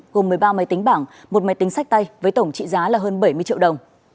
gồm một mươi ba máy tính bảng một máy tính sách tay với tổng trị giá là hơn bảy mươi triệu đồng